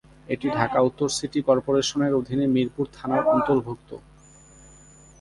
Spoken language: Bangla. এটি ঢাকা উত্তর সিটি কর্পোরেশনের অধীনে মিরপুর থানার অন্তর্ভুক্ত।